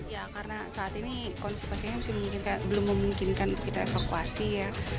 ya karena saat ini kondisi pasiennya belum memungkinkan untuk kita evakuasi ya